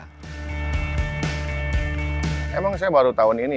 sintia meraih kebanyakan kesempatan yang sudah terkenal